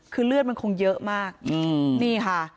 คือเลือดมันคงเยอะมากนี่ค่ะ